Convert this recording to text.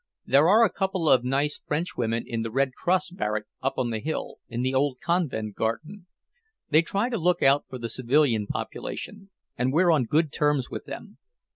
There are a couple of nice Frenchwomen in the Red Cross barrack, up on the hill, in the old convent garden. They try to look out for the civilian population, and we're on good terms with them.